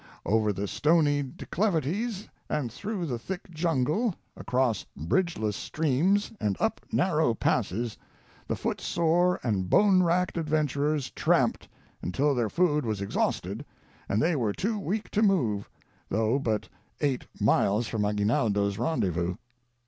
Over the stony declivities and through the thick jungle, across bridgeless streams and up narrow passes, the foot sore and bone racked adventurers tramped, until their food was ex hausted, and they were too weak to move, though but eight miles from Aguinaldo's rendezvous.